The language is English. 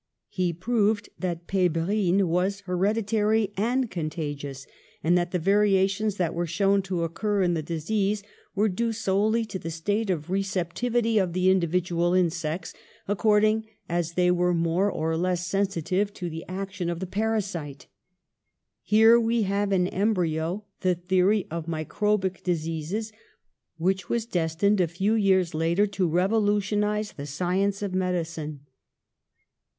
He proved that pebrine was hereditary and contagious, and that the variations that were shown to occur in the disease were due 88 PASTEUR solely to the state of receptivity of the indi vidual insects, according as they were more or less sensitive to the action of the parasite. Here we have in embryo the theory of microbic dis eases, which was destined a few years later to revolutionise the science of medicine.